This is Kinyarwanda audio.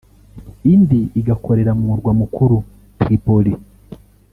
indi igakorera mu murwa mukuru Tripoli